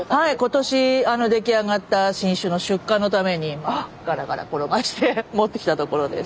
今年出来上がった新酒の出荷のためにガラガラ転がして持ってきたところです。